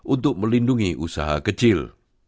untuk melindungi usaha kecil